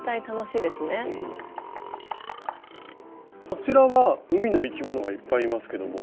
こちらは海の生き物がいっぱいいますけども。